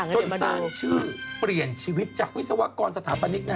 จนสร้างชื่อเปลี่ยนชีวิตจากวิศวกรสถาปนิก